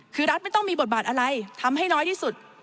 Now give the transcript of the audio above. คือรัฐไม่ต้องมีบทบาทอะไรทำให้น้อยที่สุด